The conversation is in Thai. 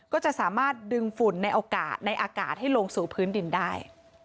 ก็จะสามารถดึงฝุ่นในอากาศให้ลงสู่ผืนดินได้